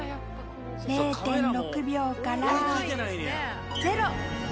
０．６秒から０！